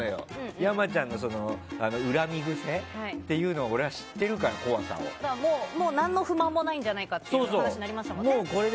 山ちゃんの恨み癖っていうのを俺は知ってるからその怖さを。何の不満もないんじゃないかという話になりましたもんね。